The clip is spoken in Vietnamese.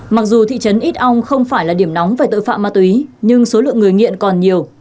mặc dù thị trấn ít ong không phải là điểm nóng về tội phạm ma túy nhưng số lượng người nghiện còn nhiều